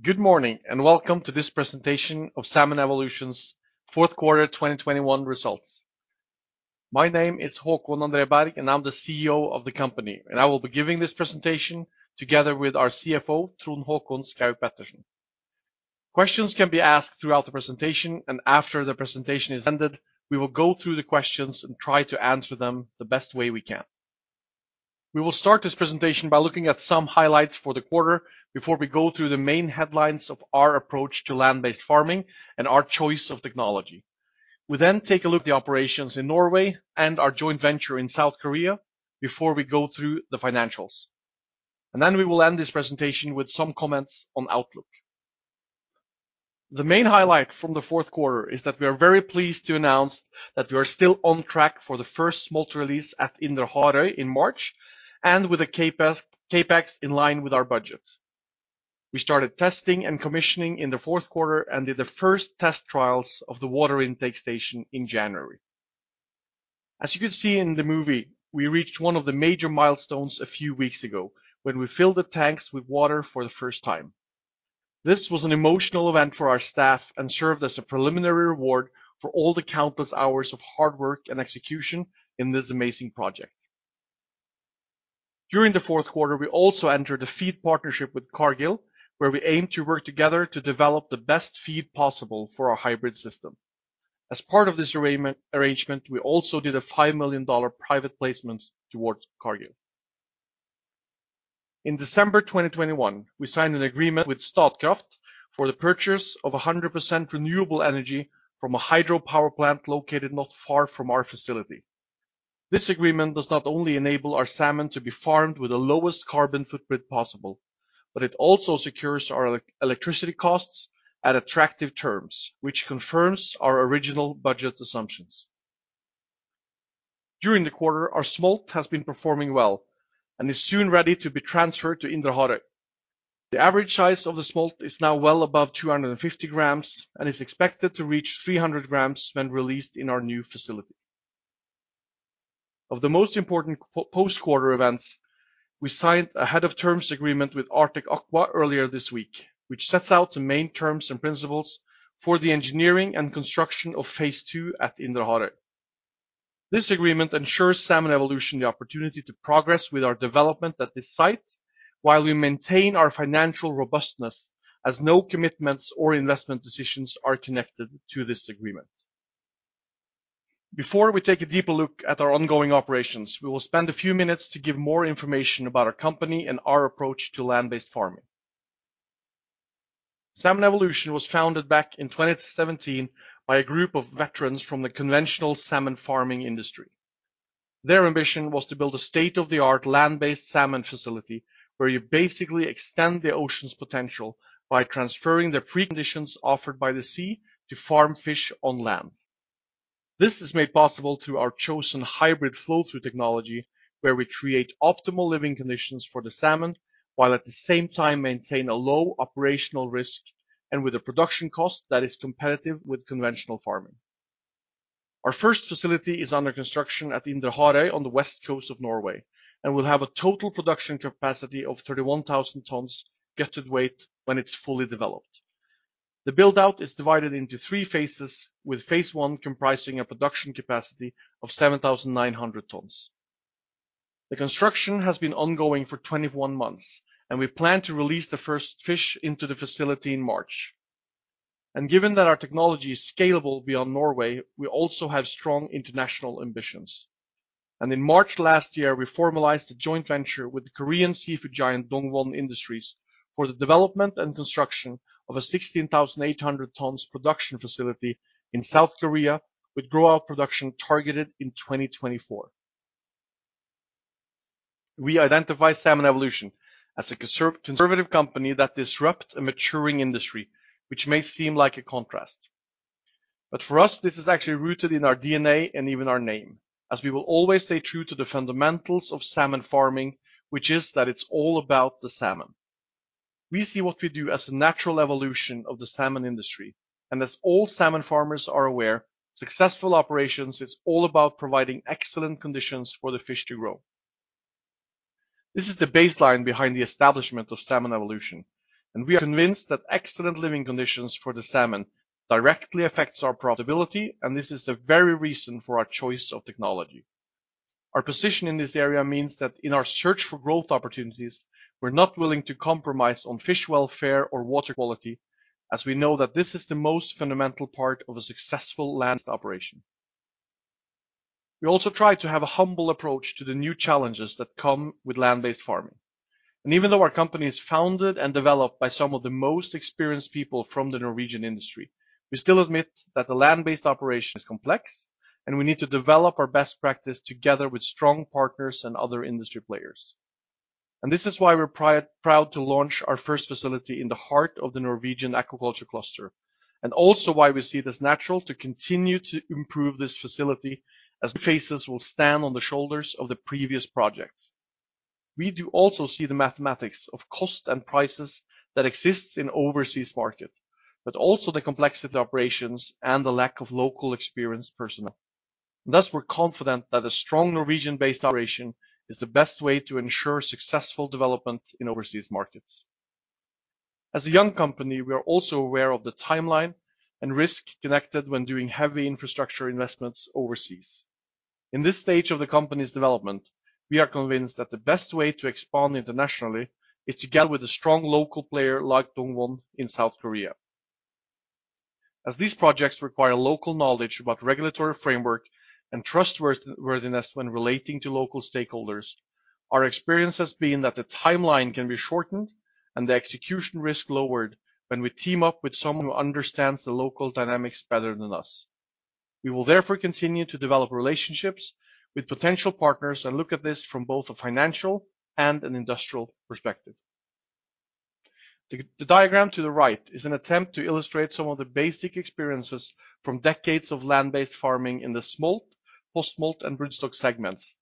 Good morning, and welcome to this presentation of Salmon Evolution's fourth quarter 2021 results. My name is Håkon André Berg, and I'm the CEO of the company. I will be giving this presentation together with our CFO, Trond Håkon Schaug-Pettersen. Questions can be asked throughout the presentation, and after the presentation is ended, we will go through the questions and try to answer them the best way we can. We will start this presentation by looking at some highlights for the quarter before we go through the main headlines of our approach to land-based farming and our choice of technology. We then take a look at the operations in Norway and our joint venture in South Korea before we go through the financials. Then we will end this presentation with some comments on outlook. The main highlight from the fourth quarter is that we are very pleased to announce that we are still on track for the first smolt release at Indre Harøy in March and with a CAPEX in line with our budget. We started testing and commissioning in the fourth quarter and did the first test trials of the water intake station in January. As you can see in the movie, we reached one of the major milestones a few weeks ago when we filled the tanks with water for the first time. This was an emotional event for our staff and served as a preliminary reward for all the countless hours of hard work and execution in this amazing project. During the fourth quarter, we also entered a feed partnership with Cargill, where we aim to work together to develop the best feed possible for our hybrid system. As part of this arrangement, we also did a $5 million private placement towards Cargill. In December 2021, we signed an agreement with Statkraft for the purchase of 100% renewable energy from a hydro power plant located not far from our facility. This agreement does not only enable our salmon to be farmed with the lowest carbon footprint possible, but it also secures our electricity costs at attractive terms, which confirms our original budget assumptions. During the quarter, our smolt has been performing well and is soon ready to be transferred to Indre Harøy. The average size of the smolt is now well above 250 grams and is expected to reach 300 grams when released in our new facility. Of the most important post-quarter events, we signed a head of terms agreement with Artec Aqua earlier this week, which sets out the main terms and principles for the engineering and construction of Phase 2 at Indre Harøy. This agreement ensures Salmon Evolution the opportunity to progress with our development at this site while we maintain our financial robustness, as no commitments or investment decisions are connected to this agreement. Before we take a deeper look at our ongoing operations, we will spend a few minutes to give more information about our company and our approach to land-based farming. Salmon Evolution was founded back in 2017 by a group of veterans from the conventional salmon farming industry. Their ambition was to build a state-of-the-art land-based salmon facility where you basically extend the ocean's potential by transferring the preconditions offered by the sea to farm fish on land. This is made possible through our chosen hybrid flow-through technology, where we create optimal living conditions for the salmon, while at the same time maintain a low operational risk and with a production cost that is competitive with conventional farming. Our first facility is under construction at Indre Harøy on the west coast of Norway and will have a total production capacity of 31,000 tons gutted weight when it's fully developed. The build-out is divided into three phases, with Phase 1 comprising a production capacity of 7,900 tons. The construction has been ongoing for 21 months, and we plan to release the first fish into the facility in March. Given that our technology is scalable beyond Norway, we also have strong international ambitions. In March last year, we formalized a joint venture with the Korean seafood giant Dongwon Industries for the development and construction of a 16,800 tons production facility in South Korea, with grow out production targeted in 2024. We identify Salmon Evolution as a conservative company that disrupt a maturing industry, which may seem like a contrast. For us, this is actually rooted in our DNA and even our name, as we will always stay true to the fundamentals of salmon farming, which is that it's all about the salmon. We see what we do as a natural evolution of the salmon industry, and as all salmon farmers are aware, successful operations is all about providing excellent conditions for the fish to grow. This is the baseline behind the establishment of Salmon Evolution, and we are convinced that excellent living conditions for the salmon directly affects our profitability, and this is the very reason for our choice of technology. Our position in this area means that in our search for growth opportunities, we're not willing to compromise on fish welfare or water quality, as we know that this is the most fundamental part of a successful land operation. We also try to have a humble approach to the new challenges that come with land-based farming. Even though our company is founded and developed by some of the most experienced people from the Norwegian industry, we still admit that the land-based operation is complex, and we need to develop our best practice together with strong partners and other industry players. This is why we're proud to launch our first facility in the heart of the Norwegian aquaculture cluster, and also why we see it as natural to continue to improve this facility as phases will stand on the shoulders of the previous projects. We do also see the mathematics of cost and prices that exists in overseas market, but also the complexity of operations and the lack of local experienced personnel. Thus we're confident that a strong Norwegian-based operation is the best way to ensure successful development in overseas markets. As a young company, we are also aware of the timeline and risk connected when doing heavy infrastructure investments overseas. In this stage of the company's development, we are convinced that the best way to expand internationally is together with a strong local player like Dongwon in South Korea. As these projects require local knowledge about regulatory framework and trustworthiness when relating to local stakeholders, our experience has been that the timeline can be shortened and the execution risk lowered when we team up with someone who understands the local dynamics better than us. We will therefore continue to develop relationships with potential partners and look at this from both a financial and an industrial perspective. The diagram to the right is an attempt to illustrate some of the basic experiences from decades of land-based farming in the smolt, post-smolt and broodstock segments.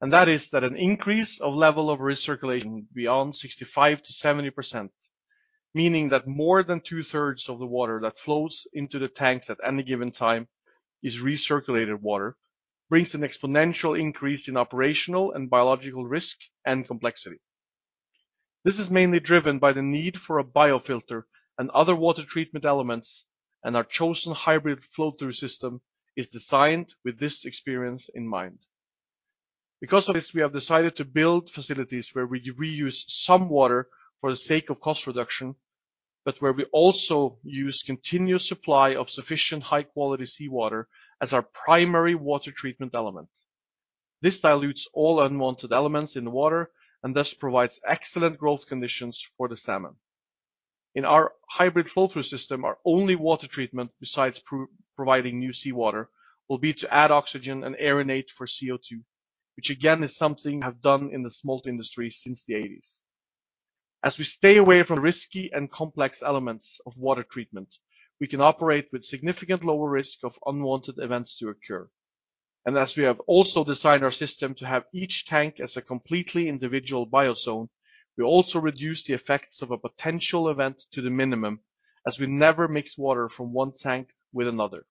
That is that an increase of level of recirculation beyond 65%-70%, meaning that more than two-thirds of the water that flows into the tanks at any given time is recirculated water, brings an exponential increase in operational and biological risk and complexity. This is mainly driven by the need for a biofilter and other water treatment elements, and our chosen hybrid flow-through system is designed with this experience in mind. Because of this, we have decided to build facilities where we reuse some water for the sake of cost reduction, but where we also use continuous supply of sufficient high-quality seawater as our primary water treatment element. This dilutes all unwanted elements in water and thus provides excellent growth conditions for the salmon. In our hybrid flow-through system, our only water treatment besides providing new seawater will be to add oxygen and aerate for CO2, which again is something we have done in the smolt industry since the eighties. As we stay away from risky and complex elements of water treatment, we can operate with significant lower risk of unwanted events to occur. As we have also designed our system to have each tank as a completely individual biozone, we also reduce the effects of a potential event to the minimum as we never mix water from one tank with another.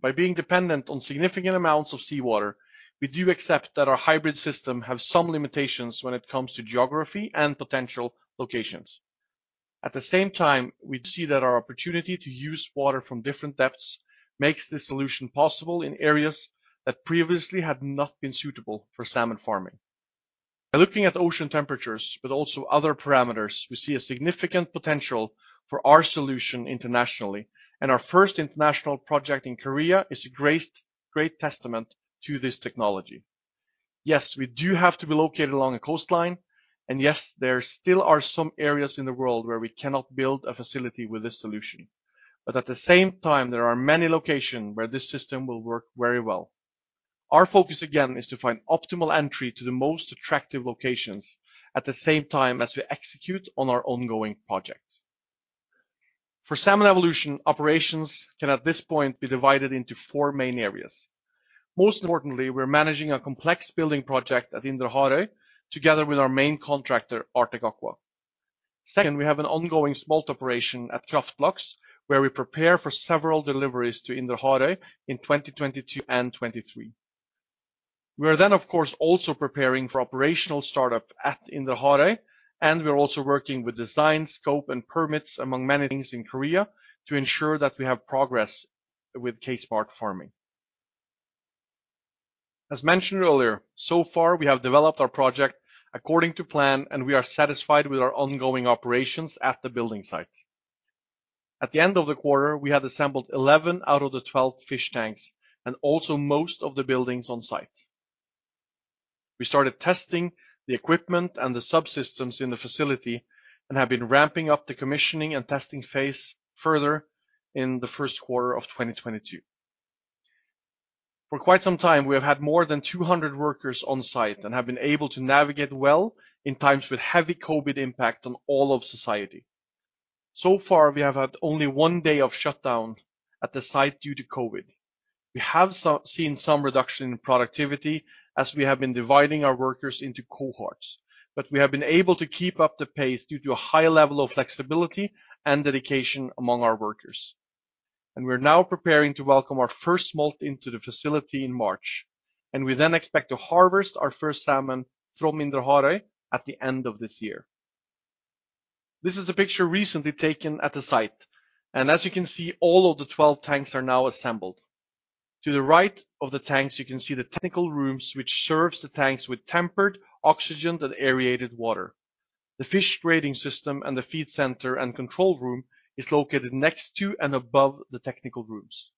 By being dependent on significant amounts of seawater, we do accept that our hybrid system have some limitations when it comes to geography and potential locations. At the same time, we see that our opportunity to use water from different depths makes this solution possible in areas that previously had not been suitable for salmon farming. By looking at ocean temperatures but also other parameters, we see a significant potential for our solution internationally, and our first international project in Korea is a great testament to this technology. Yes, we do have to be located along a coastline, and yes, there still are some areas in the world where we cannot build a facility with this solution. At the same time, there are many locations where this system will work very well. Our focus again is to find optimal entry to the most attractive locations at the same time as we execute on our ongoing projects. For Salmon Evolution, operations can at this point be divided into four main areas. Most importantly, we're managing a complex building project at Indre Harøy together with our main contractor, Artec Aqua. Second, we have an ongoing smolt operation at Kraft Laks, where we prepare for several deliveries to Indre Harøy in 2022 and 2023. We are of course also preparing for operational startup at Indre Harøy, and we are also working with design, scope and permits among many things in Korea to ensure that we have progress with K Smart Farming. As mentioned earlier, so far we have developed our project according to plan, and we are satisfied with our ongoing operations at the building site. At the end of the quarter, we had assembled 11 out of the 12 fish tanks and also most of the buildings on site. We started testing the equipment and the subsystems in the facility and have been ramping up the commissioning and testing phase further in the first quarter of 2022. For quite some time, we have had more than 200 workers on site and have been able to navigate well in times with heavy COVID impact on all of society. So far, we have had only one day of shutdown at the site due to COVID. We have seen some reduction in productivity as we have been dividing our workers into cohorts, but we have been able to keep up the pace due to a high level of flexibility and dedication among our workers. We're now preparing to welcome our first smolt into the facility in March, and we then expect to harvest our first salmon from Indre Harøy at the end of this year. This is a picture recently taken at the site, and as you can see, all of the 12 tanks are now assembled. To the right of the tanks, you can see the technical rooms which serves the tanks with tempered oxygen and aerated water. The fish grading system and the feed center and control room is located next to and above the technical rooms.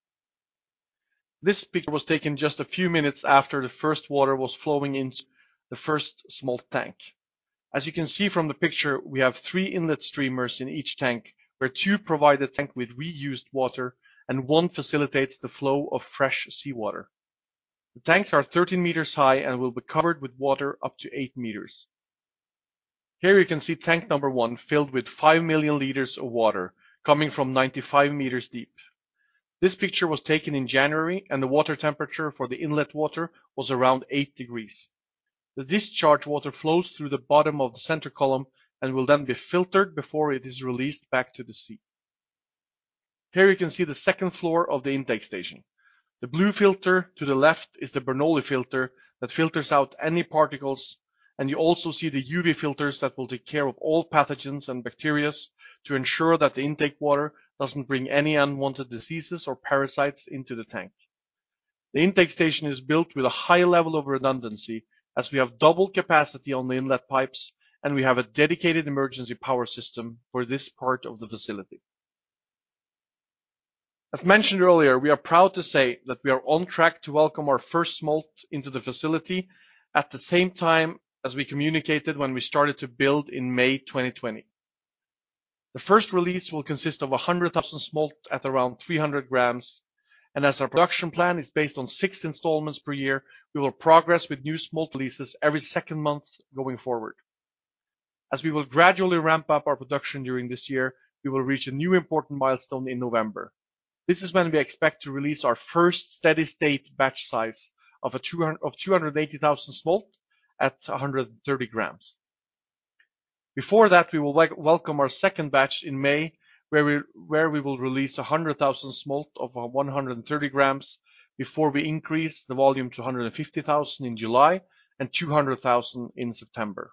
This picture was taken just a few minutes after the first water was flowing into the first smolt tank. As you can see from the picture, we have three inlet streams in each tank, where two provide the tank with reused water and one facilitates the flow of fresh seawater. The tanks are 13 meters high and will be covered with water up to 8 meters. Here you can see tank number one filled with 5 million liters of water coming from 95 meters deep. This picture was taken in January and the water temperature for the inlet water was around 8 degrees. The discharge water flows through the bottom of the center column and will then be filtered before it is released back to the sea. Here you can see the second floor of the intake station. The blue filter to the left is the Bernoulli filter that filters out any particles, and you also see the UV filters that will take care of all pathogens and bacteria to ensure that the intake water doesn't bring any unwanted diseases or parasites into the tank. The intake station is built with a high level of redundancy as we have double capacity on the inlet pipes, and we have a dedicated emergency power system for this part of the facility. As mentioned earlier, we are proud to say that we are on track to welcome our first smolt into the facility at the same time as we communicated when we started to build in May 2020. The first release will consist of 100,000 smolt at around 300 grams, and as our production plan is based on 6 installments per year, we will progress with new smolt releases every second month going forward. As we will gradually ramp up our production during this year, we will reach a new important milestone in November. This is when we expect to release our first steady state batch size of 280,000 smolt at 130 grams. Before that, we welcome our second batch in May, where we will release 100,000 smolt at 130 grams before we increase the volume to 150,000 in July and 200,000 in September.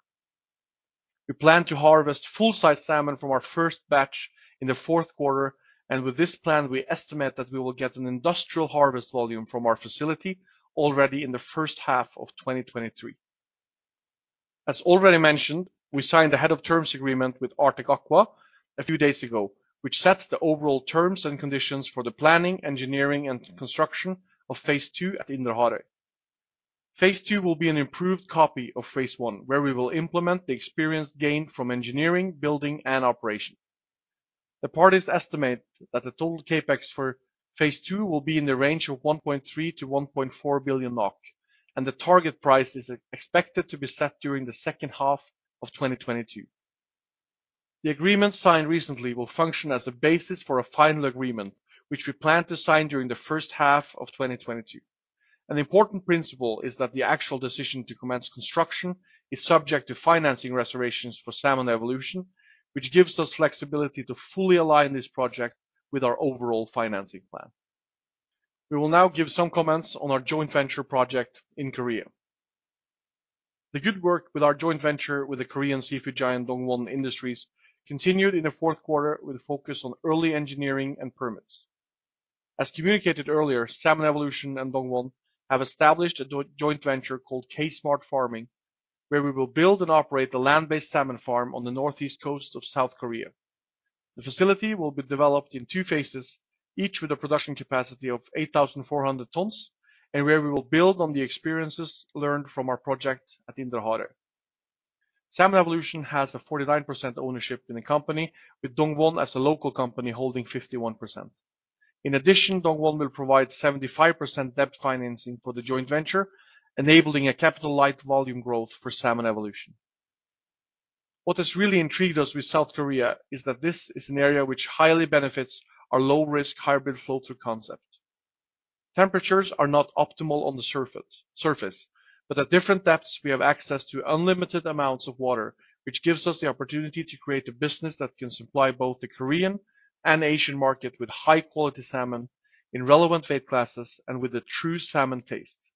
We plan to harvest full-size salmon from our first batch in the fourth quarter, and with this plan, we estimate that we will get an industrial harvest volume from our facility already in the first half of 2023. As already mentioned, we signed a head of terms agreement with Artec Aqua a few days ago, which sets the overall terms and conditions for the planning, engineering and construction of Phase 2 at Indre Harøy. Phase 2 will be an improved copy of Phase 1, where we will implement the experience gained from engineering, building and operation. The parties estimate that the total CapEx for Phase 2 will be in the range of 1.3 billion-1.4 billion NOK, and the target price is expected to be set during the second half of 2022. The agreement signed recently will function as a basis for a final agreement, which we plan to sign during the first half of 2022. An important principle is that the actual decision to commence construction is subject to financing restorations for Salmon Evolution, which gives us flexibility to fully align this project with our overall financing plan. We will now give some comments on our joint venture project in Korea. The good work with our joint venture with the Korean seafood giant Dongwon Industries continued in the fourth quarter with a focus on early engineering and permits. As communicated earlier, Salmon Evolution and Dongwon have established a joint venture called K Smart Farming, where we will build and operate the land-based salmon farm on the northeast coast of South Korea. The facility will be developed in two phases, each with a production capacity of 8,400 tons, and where we will build on the experiences learned from our project at Indre Harøy. Salmon Evolution has a 49% ownership in the company, with Dongwon as a local company holding 51%. In addition, Dongwon will provide 75% debt financing for the joint venture, enabling a capital-light volume growth for Salmon Evolution. What has really intrigued us with South Korea is that this is an area which highly benefits our low-risk hybrid flow-through concept. Temperatures are not optimal on the surface, but at different depths, we have access to unlimited amounts of water, which gives us the opportunity to create a business that can supply both the Korean and Asian market with high-quality salmon in relevant weight classes and with a true salmon taste.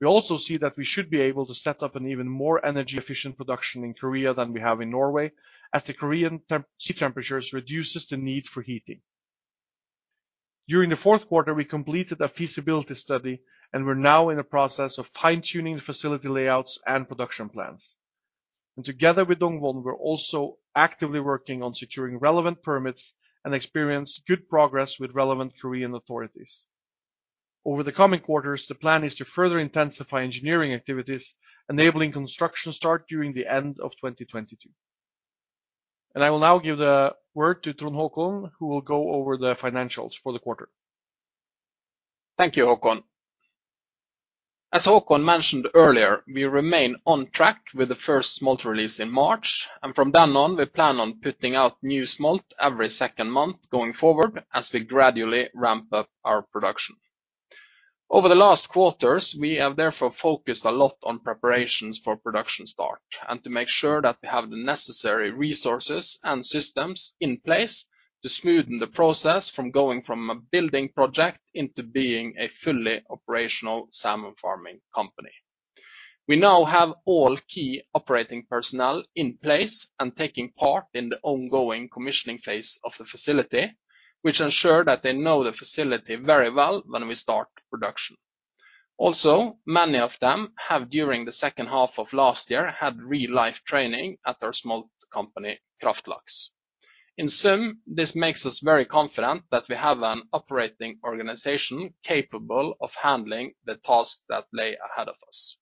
We also see that we should be able to set up an even more energy efficient production in Korea than we have in Norway, as the Korean sea temperatures reduce the need for heating. During the fourth quarter, we completed a feasibility study, and we're now in the process of fine-tuning the facility layouts and production plans. Together with Dongwon, we're also actively working on securing relevant permits and experiencing good progress with relevant Korean authorities. Over the coming quarters, the plan is to further intensify engineering activities, enabling construction start during the end of 2022. I will now give the word to Trond Håkon, who will go over the financials for the quarter. Thank you, Håkon. As Håkon mentioned earlier, we remain on track with the first smolt release in March, and from then on, we plan on putting out new smolt every second month going forward as we gradually ramp up our production. Over the last quarters, we have therefore focused a lot on preparations for production start and to make sure that we have the necessary resources and systems in place to smoothen the process from going from a building project into being a fully operational salmon farming company. We now have all key operating personnel in place and taking part in the ongoing commissioning phase of the facility, which ensure that they know the facility very well when we start production. Also, many of them have, during the second half of last year, had real-life training at our smolt company, Kraft Laks. In sum, this makes us very confident that we have an operating organization capable of handling the tasks that lay ahead of us.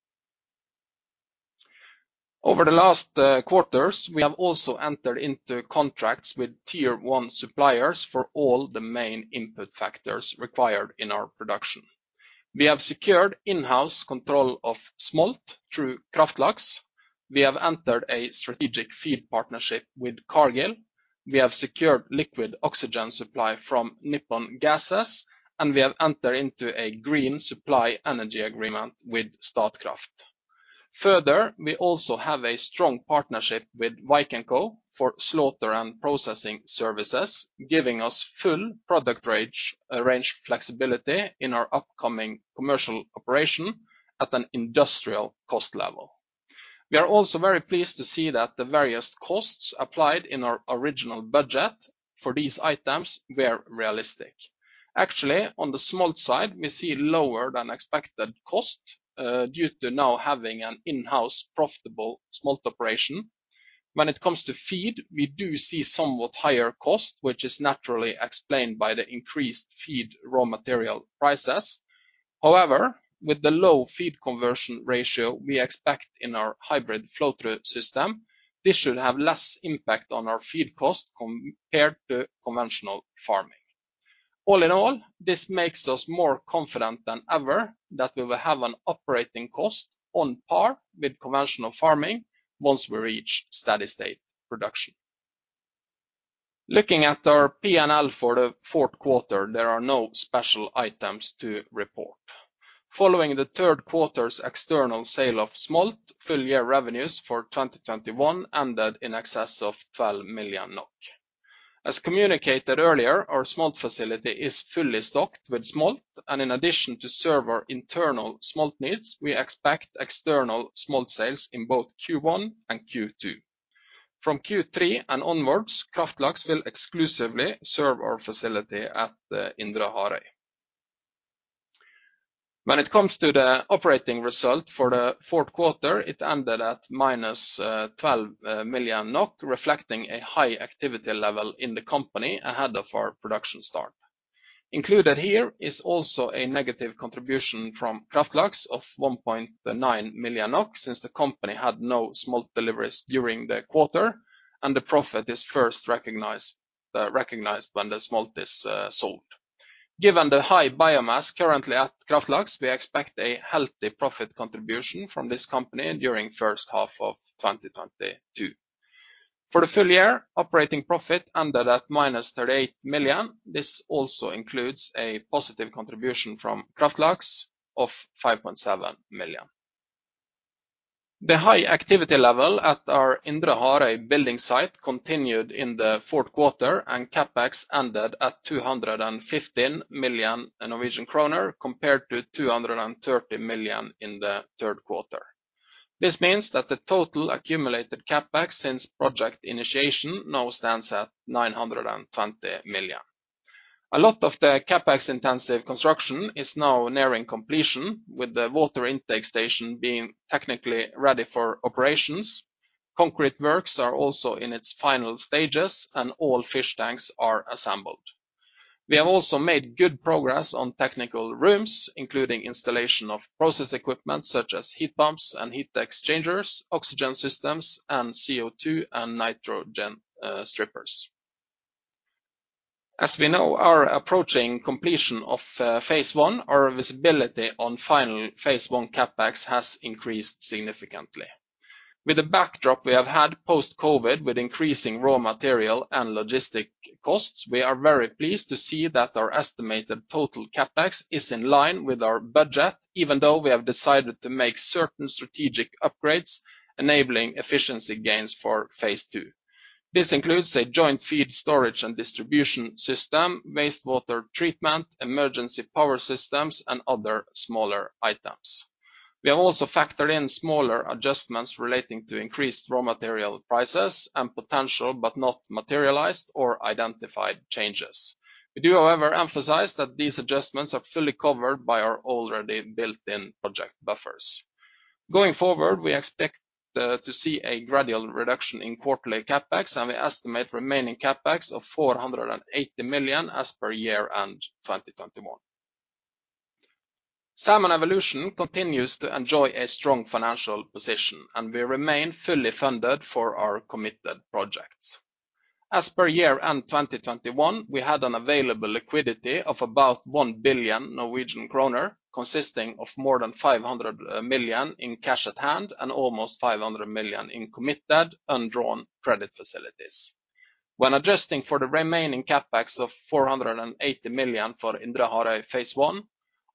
Over the last quarters, we have also entered into contracts with tier one suppliers for all the main input factors required in our production. We have secured in-house control of smolt through Kraft Laks. We have entered a strategic feed partnership with Cargill. We have secured liquid oxygen supply from Nippon Gases, and we have entered into a green energy supply agreement with Statkraft. Further, we also have a strong partnership with Vikenco for slaughter and processing services, giving us full product range flexibility in our upcoming commercial operation at an industrial cost level. We are also very pleased to see that the various costs applied in our original budget for these items were realistic. Actually, on the smolt side, we see lower than expected cost due to now having an in-house profitable smolt operation. When it comes to feed, we do see somewhat higher cost, which is naturally explained by the increased feed raw material prices. However, with the low feed conversion ratio we expect in our hybrid flow-through system, this should have less impact on our feed cost compared to conventional farming. All in all, this makes us more confident than ever that we will have an operating cost on par with conventional farming once we reach steady state production. Looking at our P&L for the fourth quarter, there are no special items to report. Following the third quarter's external sale of smolt, full-year revenues for 2021 ended in excess of 12 million NOK. As communicated earlier, our smolt facility is fully stocked with smolt, and in addition to serve our internal smolt needs, we expect external smolt sales in both Q1 and Q2. From Q3 and onwards, Kraft Laks will exclusively serve our facility at Indre Harøy. When it comes to the operating result for the fourth quarter, it ended at -12 million NOK, reflecting a high activity level in the company ahead of our production start. Included here is also a negative contribution from Kraft Laks of 1.9 million NOK since the company had no smolt deliveries during the quarter and the profit is first recognized when the smolt is sold. Given the high biomass currently at Kraft Laks, we expect a healthy profit contribution from this company during first half of 2022. For the full year, operating profit ended at -38 million NOK. This also includes a positive contribution from Kraft Laks of 5.7 million. The high activity level at our Indre Harøy building site continued in the fourth quarter and CapEx ended at 215 million Norwegian kroner, compared to 230 million in the third quarter. This means that the total accumulated CapEx since project initiation now stands at 920 million. A lot of the CapEx-intensive construction is now nearing completion, with the water intake station being technically ready for operations. Concrete works are also in its final stages and all fish tanks are assembled. We have also made good progress on technical rooms, including installation of process equipment such as heat pumps and heat exchangers, oxygen systems, and CO₂ and nitrogen strippers. As we know, our approaching completion of Phase 1, our visibility on final Phase 1 CAPEX has increased significantly. With the backdrop we have had post-COVID with increasing raw material and logistics costs, we are very pleased to see that our estimated total CAPEX is in line with our budget, even though we have decided to make certain strategic upgrades enabling efficiency gains for Phase 2. This includes a joint feed storage and distribution system, wastewater treatment, emergency power systems, and other smaller items. We have also factored in smaller adjustments relating to increased raw material prices and potential but not materialized or identified changes. We do, however, emphasize that these adjustments are fully covered by our already built-in project buffers. Going forward, we expect to see a gradual reduction in quarterly CapEx, and we estimate remaining CapEx of 480 million as per year-end 2021. Salmon Evolution continues to enjoy a strong financial position, and we remain fully funded for our committed projects. As per year-end 2021, we had an available liquidity of about 1 billion Norwegian kroner, consisting of more than 500 million in cash at hand and almost 500 million in committed undrawn credit facilities. When adjusting for the remaining CapEx of 480 million for Indre Harøy Phase 1,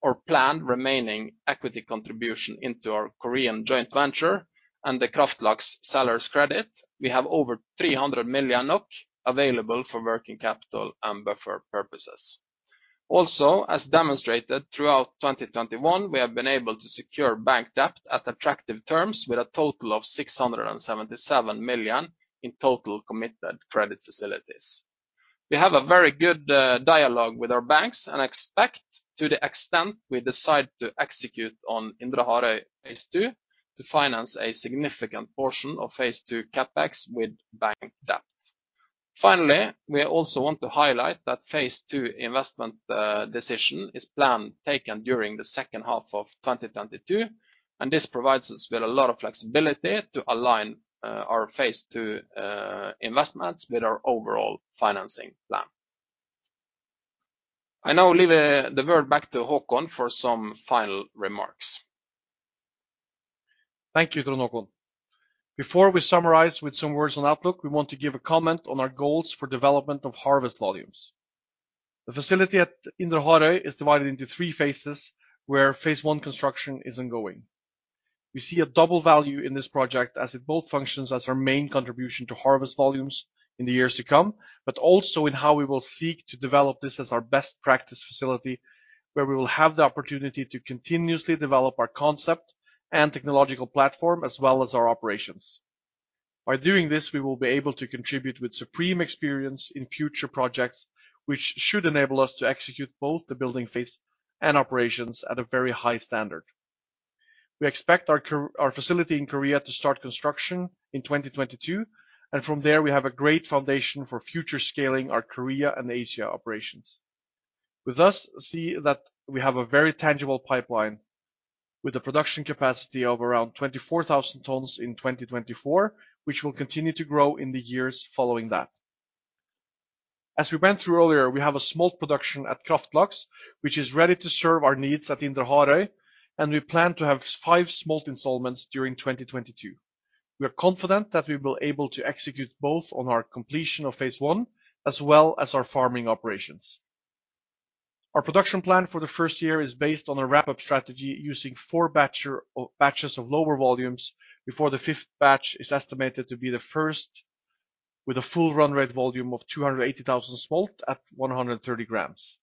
our planned remaining equity contribution into our Korean joint venture and the Kraft Laks seller's credit, we have over 300 million NOK available for working capital and buffer purposes. As demonstrated throughout 2021, we have been able to secure bank debt at attractive terms with a total of 677 million in total committed credit facilities. We have a very good dialogue with our banks and expect to the extent we decide to execute on Indre Harøy Phase 2 to finance a significant portion of Phase 2 CapEx with bank debt. Finally, we also want to highlight that Phase 2 investment decision is planned to be taken during the second half of 2022, and this provides us with a lot of flexibility to align our Phase 2 investments with our overall financing plan. I now leave the word back to Håkon for some final remarks. Thank you, Trond Hakon. Before we summarize with some words on outlook, we want to give a comment on our goals for development of harvest volumes. The facility at Indre Harøy is divided into three phases, where Phase 1 construction is ongoing. We see a double value in this project as it both functions as our main contribution to harvest volumes in the years to come, but also in how we will seek to develop this as our best practice facility, where we will have the opportunity to continuously develop our concept and technological platform, as well as our operations. By doing this, we will be able to contribute with supreme experience in future projects, which should enable us to execute both the building phase and operations at a very high standard. We expect our facility in Korea to start construction in 2022, and from there we have a great foundation for future scaling our Korea and Asia operations. With this, you see that we have a very tangible pipeline with a production capacity of around 24,000 tons in 2024, which will continue to grow in the years following that. As we went through earlier, we have a smolt production at Kraft Laks, which is ready to serve our needs at Indre Harøy, and we plan to have five smolt installments during 2022. We are confident that we will be able to execute both on our completion of Phase 1 as well as our farming operations. Our production plan for the first year is based on a wrap-up strategy using four batches of lower volumes before the fifth batch is estimated to be the first with a full run rate volume of 280,000 smolt at 130 grams.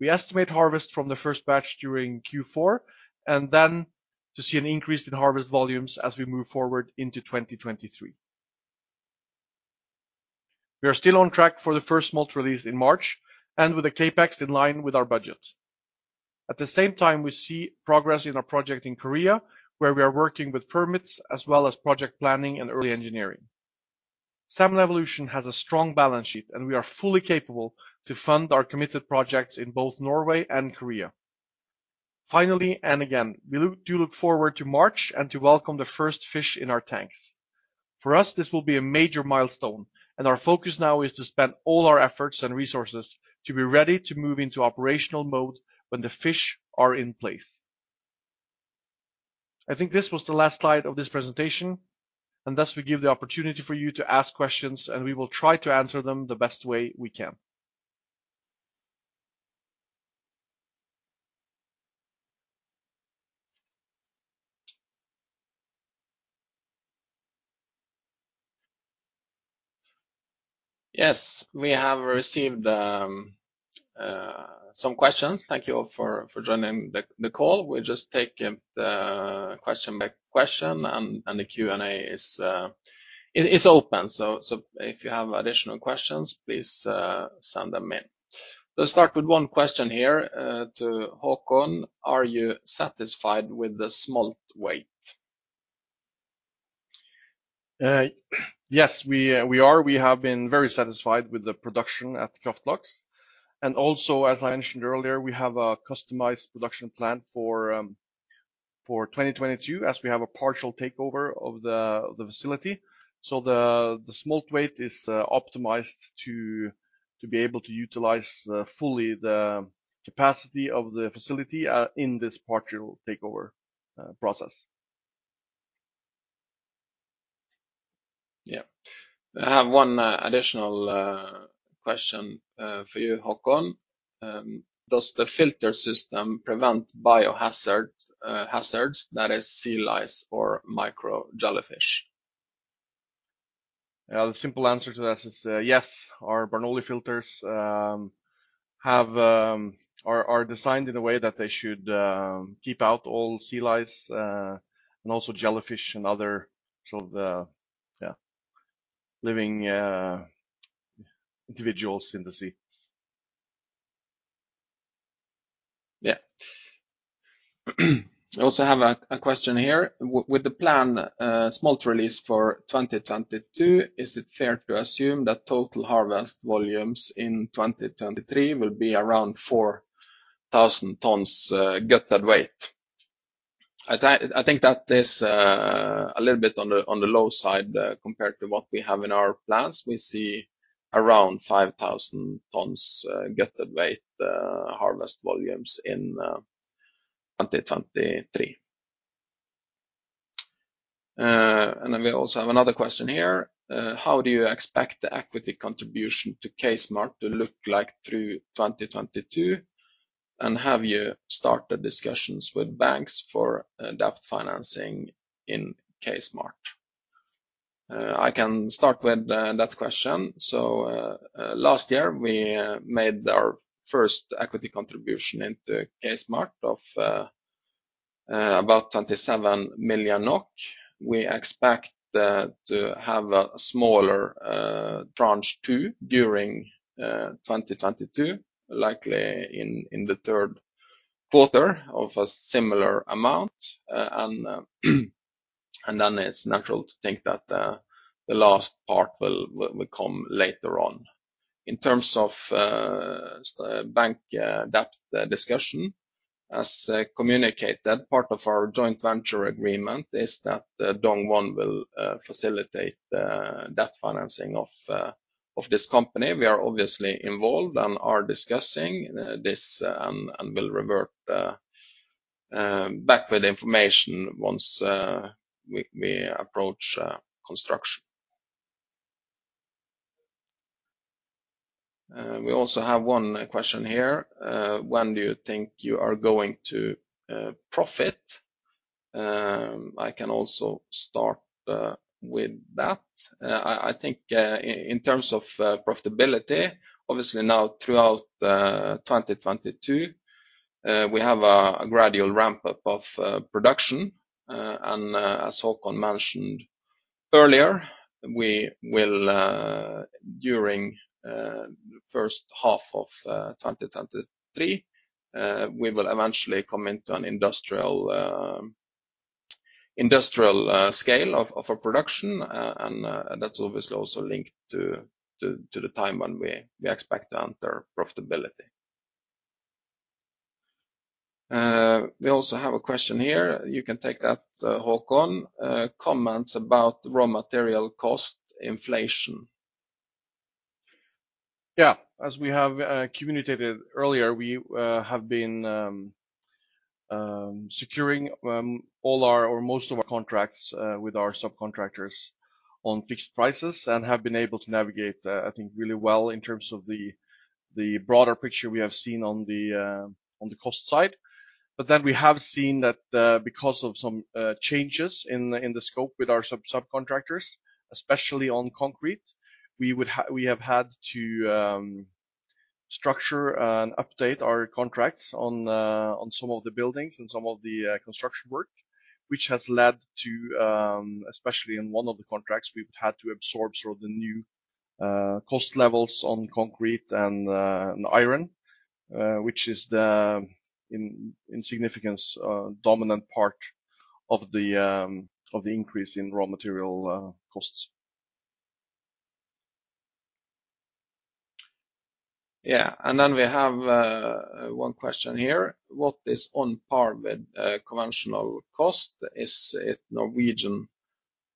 We estimate harvest from the first batch during Q4, and then to see an increase in harvest volumes as we move forward into 2023. We are still on track for the first smolt release in March and with the CapEx in line with our budget. At the same time, we see progress in our project in Korea, where we are working with permits as well as project planning and early engineering. Salmon Evolution has a strong balance sheet, and we are fully capable to fund our committed projects in both Norway and Korea. Finally, and again, we do look forward to March and to welcome the first fish in our tanks. For us, this will be a major milestone, and our focus now is to spend all our efforts and resources to be ready to move into operational mode when the fish are in place. I think this was the last slide of this presentation, and thus we give the opportunity for you to ask questions, and we will try to answer them the best way we can. Yes, we have received some questions. Thank you all for joining the call. We'll just take it question by question and the Q&A is open. So if you have additional questions, please send them in. Let's start with one question here to Håkon. Are you satisfied with the smolt weight? Yes, we are. We have been very satisfied with the production at Kraft Laks. Also as I mentioned earlier, we have a customized production plan for 2022 as we have a partial takeover of the facility. The smolt weight is optimized to be able to utilize fully the capacity of the facility in this partial takeover process. Yeah. I have one additional question for you, Håkon. Does the filter system prevent biohazard hazards that is sea lice or micro jellyfish? The simple answer to that is yes. Our Bernoulli filters are designed in a way that they should keep out all sea lice, and also jellyfish and other sort of living individuals in the sea. Yeah. I also have a question here. With the plan, smolt release for 2022, is it fair to assume that total harvest volumes in 2023 will be around 4,000 tons gutted weight? I think that is a little bit on the low side compared to what we have in our plans. We see around 5,000 tons gutted weight harvest volumes in 2023. We also have another question here. How do you expect the equity contribution to K Smart Farming to look like through 2022? Have you started discussions with banks for debt financing in K Smart Farming? I can start with that question. Last year we made our first equity contribution into K Smart Farming of about 27 million NOK. We expect to have a smaller tranche 2 during 2022, likely in the third quarter of a similar amount. It's natural to think that the last part will come later on. In terms of bank debt discussions, as communicated, part of our joint venture agreement is that Dongwon will facilitate the debt financing of this company. We are obviously involved and are discussing this and will revert back with information once we approach construction. We also have one question here. When do you think you are going to profit? I can also start with that. I think in terms of profitability, obviously now throughout 2022 we have a gradual ramp-up of production. As Håkon mentioned earlier, we will during first half of 2023 eventually come into an industrial scale of our production. That's obviously also linked to the time when we expect to enter profitability. We also have a question here. You can take that, Håkon. Comments about raw material cost inflation. Yeah. As we have communicated earlier, we have been securing all our or most of our contracts with our subcontractors on fixed prices and have been able to navigate, I think really well in terms of the broader picture we have seen on the cost side. We have seen that, because of some changes in the scope with our subcontractors, especially on concrete, we have had to structure and update our contracts on some of the buildings and some of the construction work, which has led to, especially in one of the contracts, we've had to absorb sort of the new cost levels on concrete and iron, which is the significant dominant part of the increase in raw material costs. Yeah. We have one question here. What is on par with conventional cost? Is it Norwegian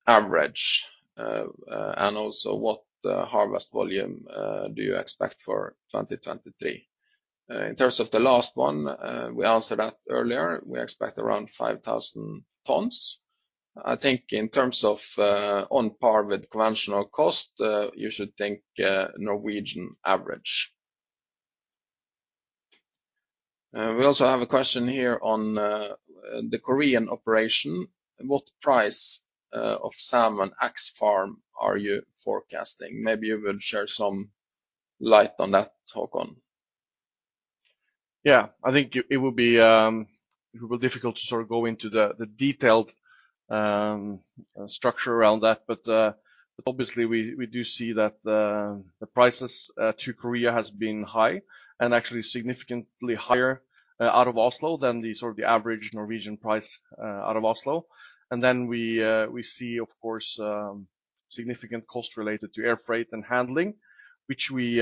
average? Also what harvest volume do you expect for 2023? In terms of the last one, we answered that earlier. We expect around 5,000 tons. I think in terms of on par with conventional cost, you should think Norwegian average. We also have a question here on the Korean operation. What price of salmon ex-farm are you forecasting? Maybe you will shed some light on that, Håkon. I think it will be difficult to sort of go into the detailed structure around that. Obviously we do see that the prices to Korea have been high and actually significantly higher out of Oslo than the sort of average Norwegian price out of Oslo. We see, of course, significant cost related to air freight and handling, which we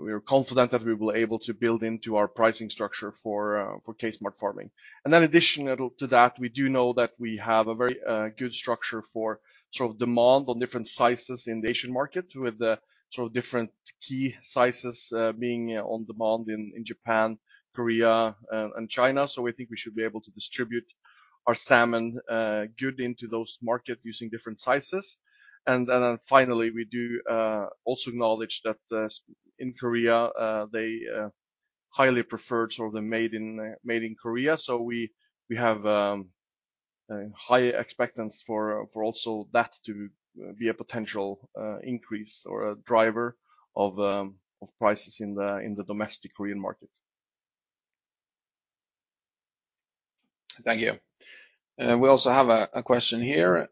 are confident that we will be able to build into our pricing structure for K Smart Farming. Additionally to that, we do know that we have a very good structure for sort of demand on different sizes in the Asian market with the sort of different key sizes being in demand in Japan, Korea, and China. We think we should be able to distribute our salmon well into those markets using different sizes. Then finally, we also acknowledge that in Korea they highly prefer the made in Korea. We have high expectations for also that to be a potential increase or a driver of prices in the domestic Korean market. Thank you. We also have a question here.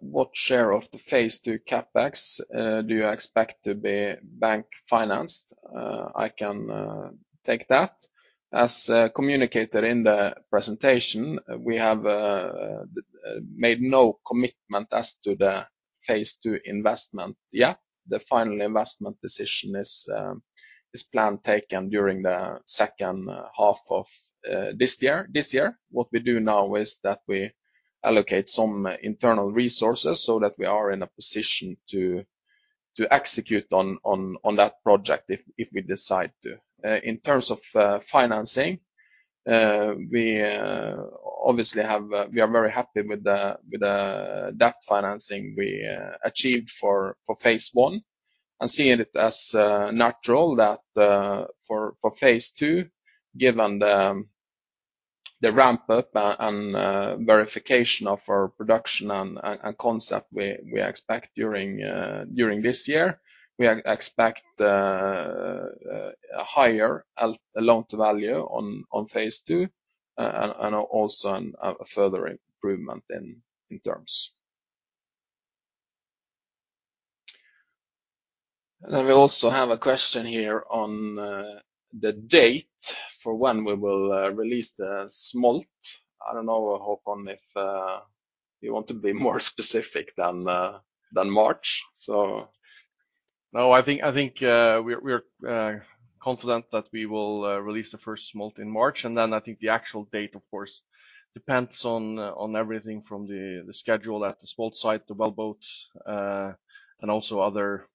What share of the Phase 2 CAPEX do you expect to be bank financed? I can take that. As communicated in the presentation, we have made no commitment as to the Phase 2 investment yet. The final investment decision is planned to be taken during the second half of this year. What we do now is that we allocate some internal resources so that we are in a position to execute on that project if we decide to. In terms of financing, we obviously have, we are very happy with the debt financing we achieved for Phase 1 and seeing it as natural that for Phase 2, given the ramp-up and verification of our production and concept we expect during this year. We expect higher loan to value on Phase 2, and also a further improvement in terms. Then we also have a question here on the date for when we will release the smolt. I don't know, Håkon, if you want to be more specific than March. No, I think we're confident that we will release the first smolt in March, and then I think the actual date, of course, depends on everything from the schedule at the smolt site, the wellboats, and also other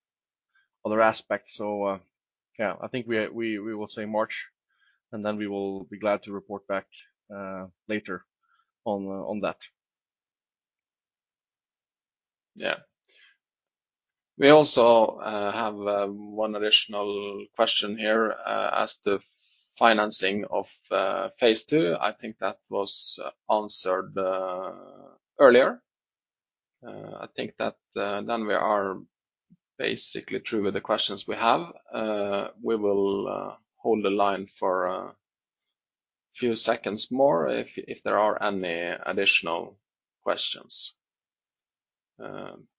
aspects. I think we will say March, and then we will be glad to report back later on that. Yeah. We also have one additional question here as the financing of Phase 2. I think that was answered earlier. I think that then we are basically through with the questions we have. We will hold the line for a few seconds more if there are any additional questions.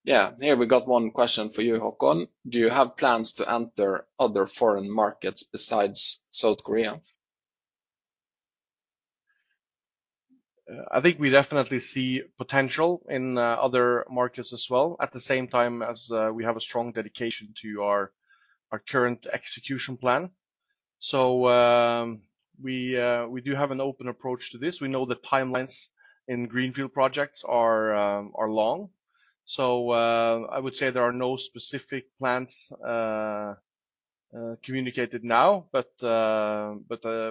Yeah. Here we got one question for you, Håkon. Do you have plans to enter other foreign markets besides South Korea? I think we definitely see potential in other markets as well at the same time as we have a strong dedication to our current execution plan. We do have an open approach to this. We know the timelines in greenfield projects are long. I would say there are no specific plans communicated now, but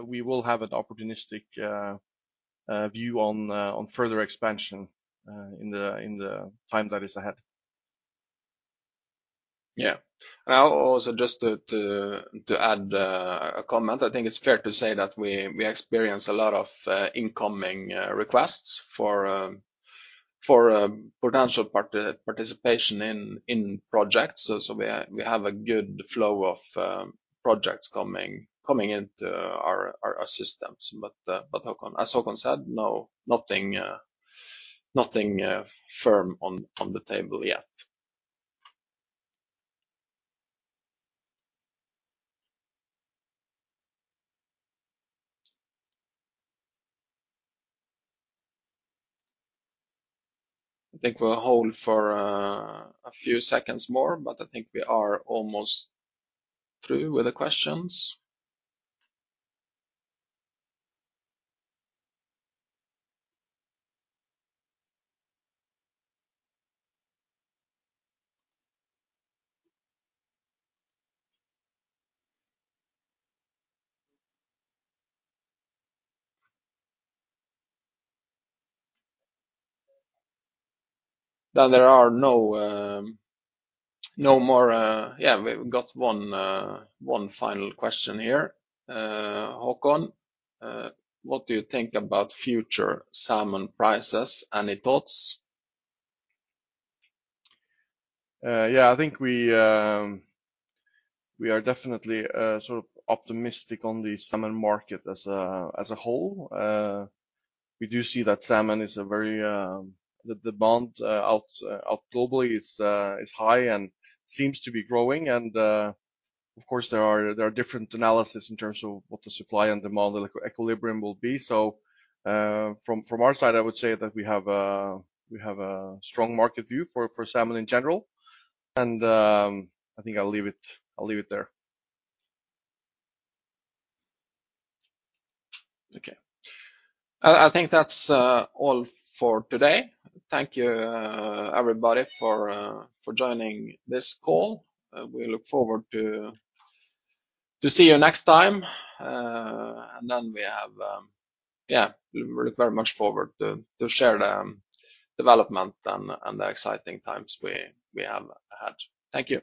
we will have an opportunistic view on further expansion in the time that is ahead. Yeah. I'll also just add a comment. I think it's fair to say that we experience a lot of incoming requests for potential participation in projects. We have a good flow of projects coming into our systems. Håkon, as Håkon said, nothing firm on the table yet. I think we'll hold for a few seconds more, but I think we are almost through with the questions. There are no more. Yeah, we've got one final question here. Håkon, what do you think about future salmon prices? Any thoughts? Yeah. I think we are definitely sort of optimistic on the salmon market as a whole. We do see that the demand globally is high and seems to be growing. Of course, there are different analyses in terms of what the supply and demand equilibrium will be. From our side, I would say that we have a strong market view for salmon in general. I think I'll leave it there. Okay. I think that's all for today. Thank you, everybody for joining this call. We look forward to see you next time. Yeah, we look very much forward to share the development and the exciting times we have had. Thank you.